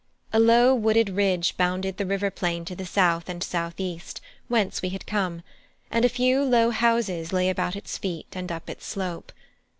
A low wooded ridge bounded the river plain to the south and south east, whence we had come, and a few low houses lay about its feet and up its slope.